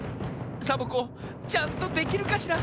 サボ子ちゃんとできるかしら？